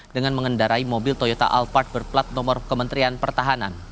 dengan mengendarai mobil toyota alphard berplat nomor kementerian pertahanan